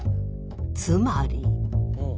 つまり。